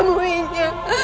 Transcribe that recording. rai aku ingin menemuinya